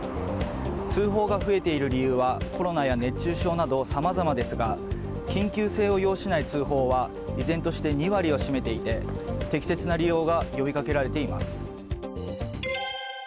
通報が増えている理由はコロナや熱中症などさまざまですが緊急性を要しない通報は依然として２割を占めていて適切な利用が呼びかけられています。